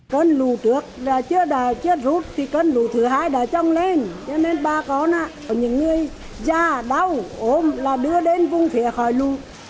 cơn lũ trước là chưa rút thì cơn lũ thứ hai đã trông lên cho nên bà con những người già đau ốm là đưa lên vùng phía khỏi nụ